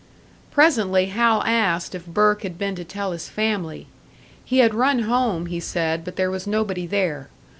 Presently Hal asked if Burke had been to tell his family. He had run home, he said, but there was nobody there.